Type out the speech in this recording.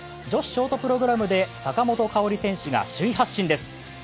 女子ショートプログラムで坂本花織選手が首位発進です。